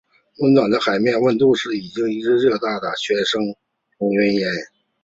温暖的海面温度是已知的一类热带气旋生成原因。